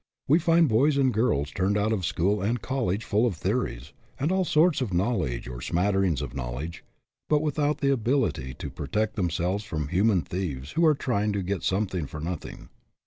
We find boys and girls turned out of school and college full of theories, and of all sorts of knowledge or smatterings of knowledge, but without the ability to protect themselves from human thieves who are try ing to get something for nothing.